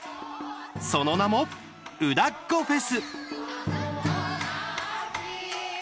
その名も「うだっコフェス」。